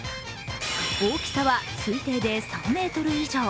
大きさは推定で３ｍ以上。